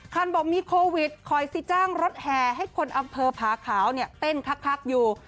บอกมีโควิดคอยสิจ้างรถแห่ให้คนอำเภอผาขาวเนี่ยเต้นคักอยู่